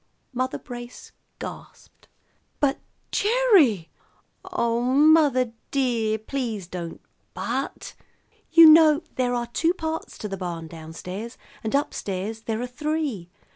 Mother Brace gasped. "But Gerry " "Oh, mother dear, please don't 'but.' You know there are two parts to the barn down stairs, and up stairs there are three.